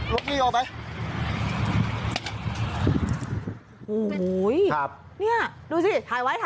โห้ยนี่ดูสิถ่ายไว้